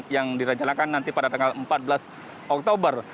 yang direncanakan nanti pada tanggal empat belas oktober